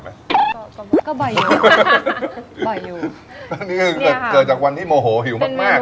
อันนี้เออเกิดจากวันที่โมโหหิวมาก